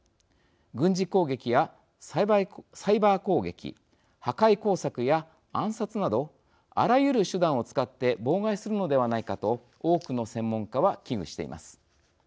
軍事攻撃やサイバー攻撃破壊工作や暗殺などあらゆる手段を使って妨害するのではないかと多くの専門家は危惧しています。